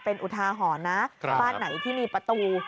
เป็นอุทาหรณ์นะบ้านไหนที่มีประตู